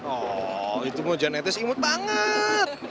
oh itu mau jan etes imut banget